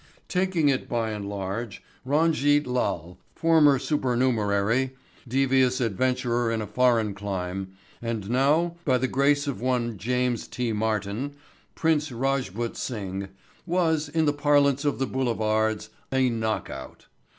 Taking it by and large Ranjit Lal, former supernumerary, devious adventurer in a foreign clime, and now, by the grace of one James T. Martin, Prince Rajput Singh, was, in the parlance of the boulevards, a knockout.